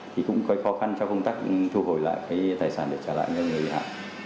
thì cũng gây khó khăn cho công tác thu hồi lại cái tài sản để trả lại cho người bị hại